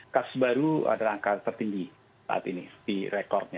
kasus baru adalah angka tertinggi saat ini di rekodnya